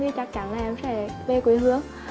thì chắc chắn là em sẽ về quê hương